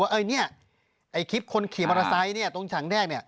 ว่านี่คลิปคนขี่มอเตอร์ไซต์ตรงชั้นแรก